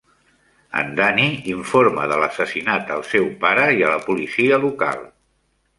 En Danny informa de l'assassinat al seu pare i a la policia local.